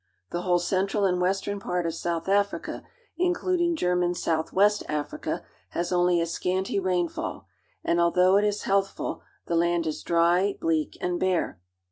The whole central and western part of South Africa, in cluding German Southwest Africa, has only a scanty rain fall; and although it is healthful, the land is dry, bleak, and bare.